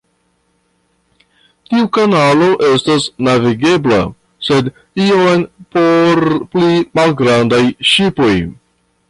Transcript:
Tiu kanalo estas navigebla, sed iom por pli malgrandaj ŝipoj.